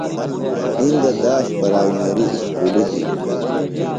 اِندہ داش پرائمیریۡ اُسکُلیۡ ہِنِم ۔